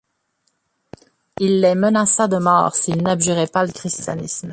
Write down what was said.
Il les menaça de mort s'ils n'abjuraient pas le christianisme.